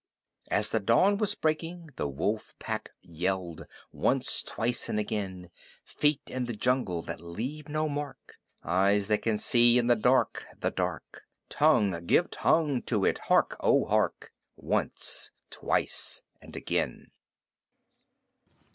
As the dawn was breaking the Wolf Pack yelled Once, twice and again! Feet in the jungle that leave no mark! Eyes that can see in the dark the dark! Tongue give tongue to it! Hark! O hark! Once, twice and again!